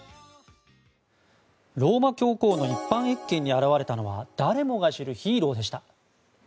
ローマ教皇の一般謁見に現れたのは誰もが知るヒーローでした。